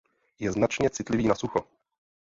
Je značně citlivý na sucho.